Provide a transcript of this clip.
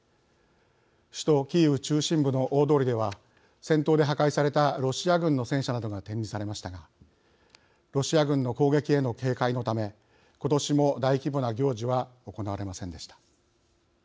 首都キーウ中心部の大通りでは戦闘で破壊されたロシア軍の戦車などが展示されましたがロシア軍の攻撃への警戒のため今年も、大規模な行事は行われませんでした。